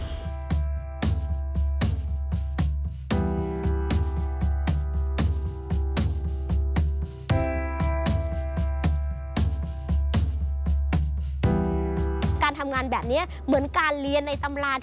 มีความสุขมีความสุขมีความสุขมีความสุขมีความสุข